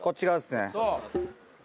そう。